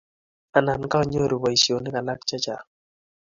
Anan kanyoru boisionik alak chechang'